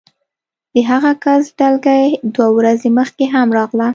د هغه کس ډلګۍ دوه ورځې مخکې هم راغله